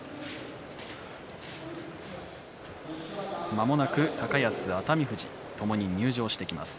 まもなく高安、熱海富士ともに入場してきます。